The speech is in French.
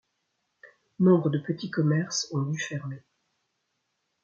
Nombre de petits commerces ont dû fermer.